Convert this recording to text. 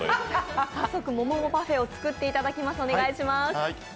早速もももパフェを作っていただきます、お願いします。